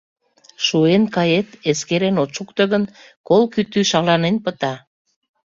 Шуэн кает, эскерен от шукто гын, кол кӱтӱ шаланен пыта.